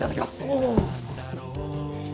おお。